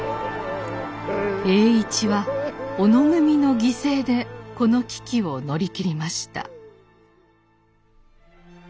栄一は小野組の犠牲でこの危機を乗り切りました。